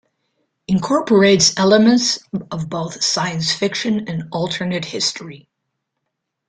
Incorporates elements of both science fiction and alternate history.